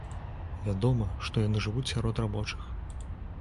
Вядома, што яны жывуць сярод рабочых.